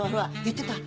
言ってた。